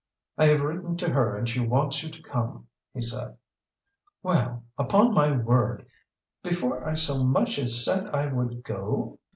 "I have written to her and she wants you to come," he said. "Well upon my word! Before I so much as said I would go?"